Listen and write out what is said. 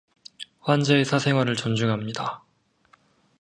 환자의 사생활을 존중합니다.